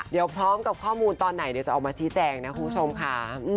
เดี๋ยวพร้อมกับข้อมูลตอนไหนเดี๋ยวจะออกมาชี้แจงนะคุณผู้ชมค่ะ